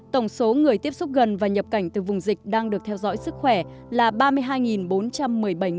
tổng số người tiếp xúc gần và nhập cảnh từ vùng dịch đang được theo dõi sức khỏe là ba mươi hai bốn trăm một mươi bảy người